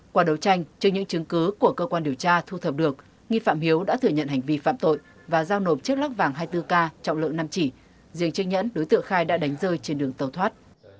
qua đấu tranh trước những chứng cứ của cơ quan điều tra thu thập được nghi phạm hiếu đã thừa nhận hành vi phạm tội và giao nộp chiếc lắc vàng hai mươi bốn k trọng lượng năm chỉ riêng chiếc nhẫn đối tượng khai đã đánh rơi trên đường tàu thoát